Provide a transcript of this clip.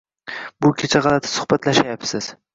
Bu kecha g'alati suhbatlashayapsiz.